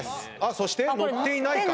そしてのっていないか？